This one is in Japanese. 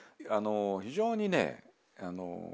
非常にね